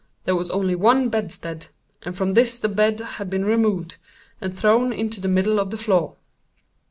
There was only one bedstead; and from this the bed had been removed, and thrown into the middle of the floor.